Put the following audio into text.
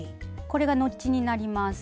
これがノッチになります。